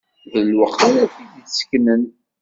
D lwaqt ara t-id-iseknen.